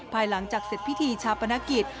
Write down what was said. ภายหลังจากเสร็จพิธีชาปนกิจ